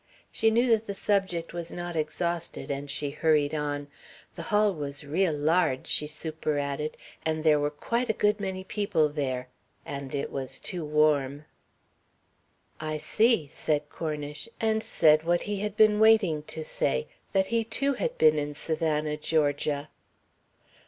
She knew that the subject was not exhausted and she hurried on. "The hall was real large," she superadded, "and there were quite a good many people there. And it was too warm." "I see," said Cornish, and said what he had been waiting to say: That he too had been in Savannah, Georgia.